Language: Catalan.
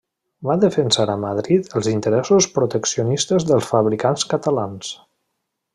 Va defensar a Madrid els interessos proteccionistes dels fabricants catalans.